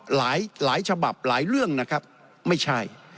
หลายฉบับหลายเรื่องนะครับไม่ใช่